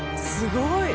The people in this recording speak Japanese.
すごい！